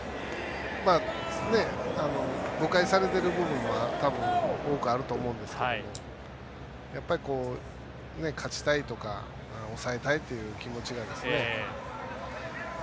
誤解されている部分も多くあると思うんですけど勝ちたいとか抑えたいっていう気持ちが。